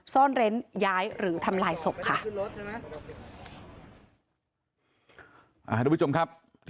ซ่อนเล้นย้ายหรือทำลายศพค่ะ